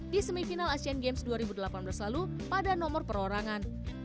di semifinal asean games dua ribu delapan belas lalu pada nomor perorangan